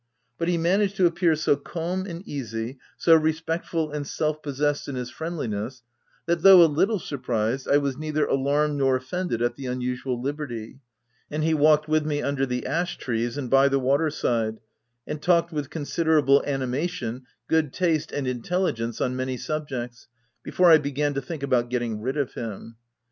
But he managed to appear so calm and easy, so respectful and self possessed in his friendliness, that, though a little sur prised, I was neither alarmed nor offended at the unusual liberty, and he walked with me under the ash trees and by the water side, and talked, with considerable animation, good taste, and intelligence, on many subjects, before I began to think about getting rid of him.